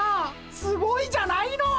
すごいじゃないの！